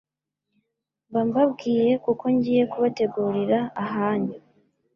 mba mbabwiye kuko ngiye kubategurira ahanyu.